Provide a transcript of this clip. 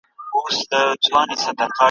ملنګه ! د دریاب دوه غاړې چېرې دي یو شوي `